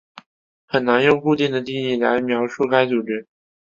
很难用固定的定义描述该组织。